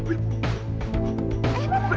ibu ibu serahkan ibu